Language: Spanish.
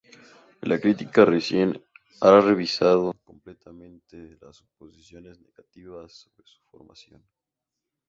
La crítica reciente ha revisado completamente las suposiciones negativas sobre su formación.